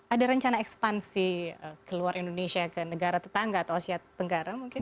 ada rencana ekspansi ke luar indonesia ke negara tetangga atau asia tenggara mungkin